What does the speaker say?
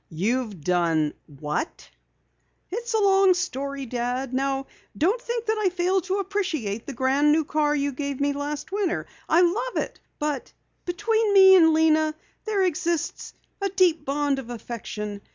"You've done what?" "It's a long story, Dad. Now don't think that I fail to appreciate the grand new car you gave me last winter. I love it. But between Lena and me there exists a deep bond of affection.